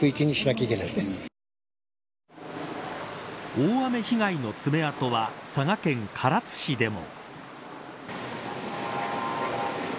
大雨被害の爪痕は佐賀県唐津市でも。